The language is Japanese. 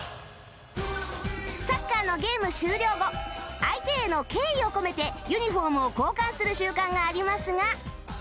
サッカーのゲーム終了後相手への敬意を込めてユニフォームを交換する習慣がありますが